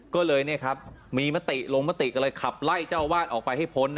ก็เลยมีมติลงมติก็เลยขับไล่เจ้าวาดออกไปให้พ้น